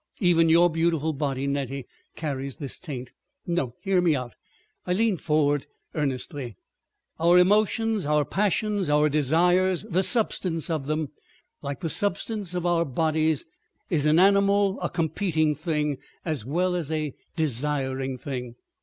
Even your beautiful body, Nettie, carries this taint. No! Hear me out." I leant forward earnestly. "Our emotions, our passions, our desires, the substance of them, like the substance of our bodies, is an animal, a competing thing, as well as a desiring thing.